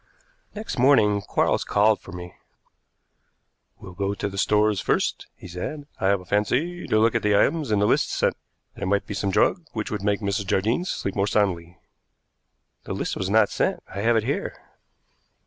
Next morning Quarles called for me. "We'll go to the stores first," he said. "I have a fancy to look at the items in the list sent. There might be some drug which would make Mrs. Jardine sleep more soundly." "The list was not sent. I have it here."